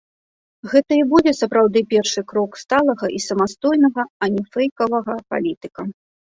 Гэта і будзе сапраўды першы крок сталага і самастойнага, а не фэйкавага палітыка.